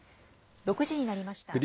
６時になりました。